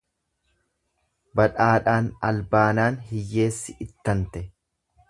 Badhaadhaan albaanaan hiyyeessi ittante.